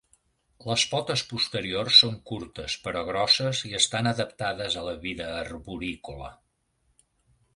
Les potes posteriors són curtes però grosses i estan adaptades a la vida arborícola.